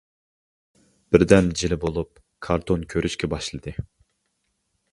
بىردەم جىلە بولۇپ كارتون كۆرۈشكە باشلىدى.